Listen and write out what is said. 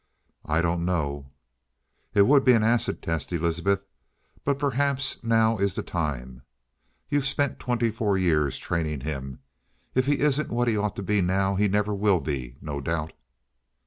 "I don't know." "It would be an acid test, Elizabeth. But perhaps now is the time. You've spent twenty four years training him. If he isn't what he ought to be now, he never will be, no doubt."